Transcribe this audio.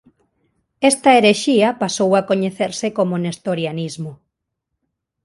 Esta herexía pasou a coñecerse como nestorianismo.